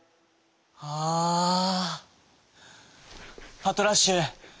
パトラッシュ。